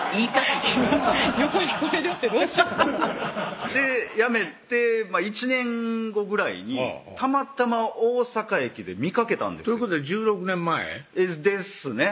今横にこれでおってどうしよう辞めて１年後ぐらいにたまたま大阪駅で見かけたんですよということは１６年前？ですね